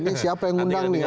ini siapa yang ngundang nih